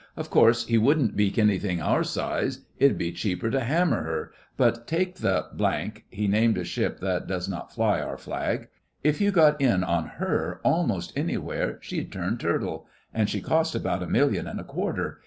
Of course, he wouldn't beak anything our size—it 'ud be cheaper to hammer her—but take the —— (he named a ship that does not fly Our flag). If you got in on her almost anywhere she'd turn turtle. And she cost about a million and a quarter.